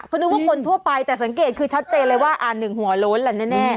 เขานึกว่าคนทั่วไปแต่สังเกตคือชัดเจนเลยว่าอ่านหนึ่งหัวโล้นแหละแน่